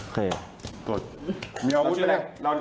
แล้วปอบชื่อเราก่อน